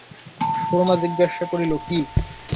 সুরমা জিজ্ঞাসা করিল, কী?